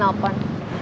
terus mau apa nelfon